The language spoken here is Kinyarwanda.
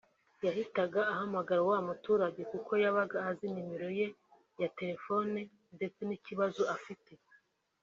yahitaga ahamagara wa muturage kuko yabaga azi nimero ye ya telefone ndetse n’ikibazo afite